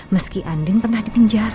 meski andin pernah dipinjara